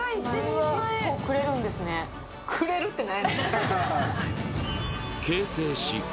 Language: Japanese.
くれるって何？